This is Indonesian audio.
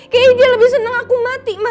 kayaknya dia lebih seneng aku mati ma